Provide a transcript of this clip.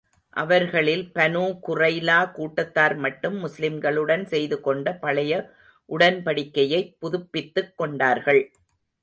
அவர்களில் பனுா குறைலா கூட்டத்தார் மட்டும் முஸ்லிம்களுடன் செய்து கொண்ட பழைய உடன்படிக்கையைப் புதுப்பித்துக் கொண்டார்கள்.